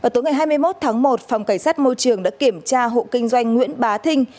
tối ngày hai mươi một tháng một phòng cảnh sát môi trường đã kiểm tra hộ kinh doanh nguyễn bá thinh